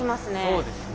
そうですね。